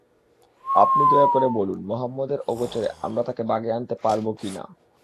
আপনি দয়া করে বলুন, মুহাম্মাদের অগোচরে আমরা তাকে বাগে আনতে পারব কি-না?